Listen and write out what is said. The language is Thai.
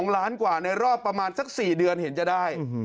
๒ล้านกว่าในรอบประมาณสัก๔เดือนเห็นจะได้